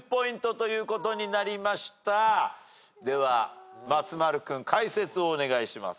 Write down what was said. では松丸君解説をお願いします。